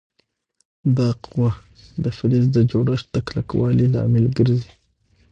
دا قوه د فلز د جوړښت د کلکوالي لامل ګرځي.